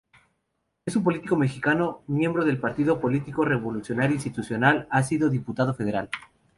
Es un político mexicano, miembro del Partido Revolucionario Institucional, ha sido diputado federal.